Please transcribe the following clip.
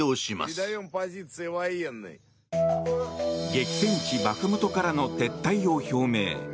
激戦地バフムトからの撤退を表明。